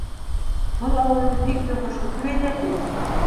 Был ауырыу бик йоғошло, тип әйтә, ти.